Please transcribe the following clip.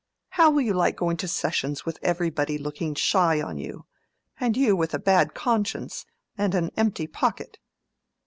How will you like going to Sessions with everybody looking shy on you, and you with a bad conscience and an empty pocket?"